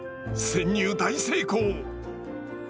潜入大成功！